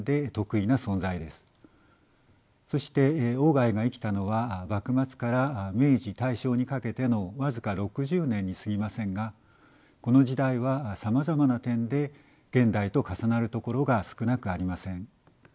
そして外が生きたのは幕末から明治大正にかけての僅か６０年にすぎませんがこの時代はさまざまな点で現代と重なるところが少なくありません。